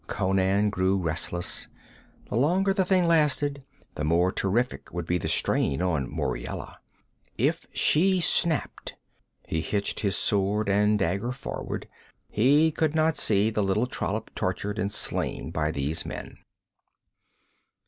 Conan grew restless. The longer the thing lasted, the more terrific would be the strain on Muriela. If she snapped he hitched his sword and dagger forward. He could not see the little trollop tortured and slain by these men.